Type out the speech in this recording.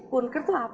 kunker tuh apa